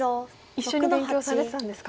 一緒に勉強されてたんですか。